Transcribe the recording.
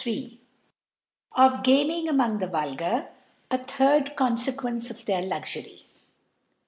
Of Gamivig among the Vulgar j a th Confiquence rf their Lvxury.